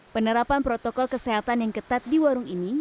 penerapan protokol kesehatan yang ketat di warung ini